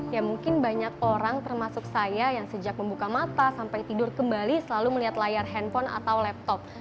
ya mungkin banyak orang termasuk saya yang sejak membuka mata sampai tidur kembali selalu melihat layar handphone atau laptop